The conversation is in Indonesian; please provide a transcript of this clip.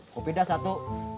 kopi dah satu